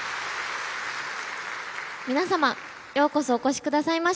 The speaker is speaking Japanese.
皆様ようこそお越し下さいました。